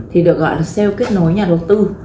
thì được gọi là sale kết nối nhà đầu tư